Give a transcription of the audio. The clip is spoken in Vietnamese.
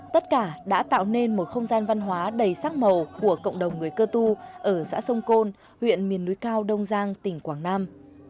tất cả đã tạo nên một không gian văn hóa đầy sắc màu của cộng đồng người cơ tu ở xã sông côn huyện miền núi cao đông giang tỉnh quảng nam